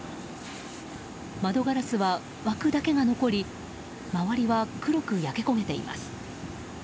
窓ガラスは枠だけが残り周りは黒く焼け焦げています。